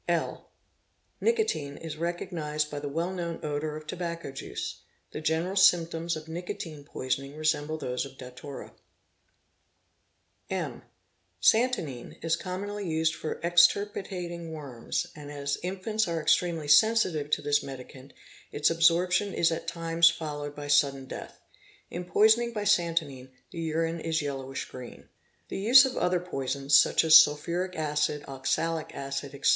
(1) Nicotine is recognised by the well known odour of tobacco juic The general symptoms of nicotine poisoning resemble those of datura. — eee ee i | Peo i' ne oes Pia. a) iy Ag is * vem :' he ct 7 I ~ d POISONING 661 (m) Santonine is commonly used for extirpating worms, and as infants are extremely sensitive to this medicament, its absorption is at times followed by sudden death. In poisoning by santonine, the urine is yellowish green. : The use of other poisons such as sulphuric acid, oxalic acid, etc.